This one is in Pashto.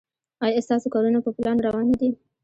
ایا ستاسو کارونه په پلان روان نه دي؟